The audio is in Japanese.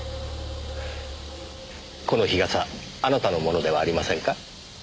この日傘あなたのものではありませんか？